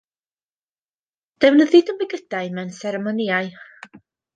Defnyddid y mygydau mewn seremonïau.